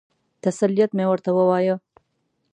تسلیت مې ورته ووایه.